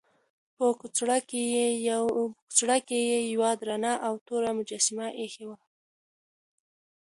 په کڅوړه کې یې یوه درنه او توره مجسمه ایښې وه.